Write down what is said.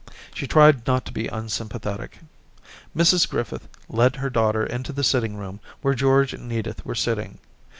She tried not to be unsympathetic. Mrs Griffith led her daughter into the sitting room where George and Edith were sitting.